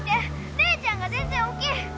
☎姉ちゃんが全然起きん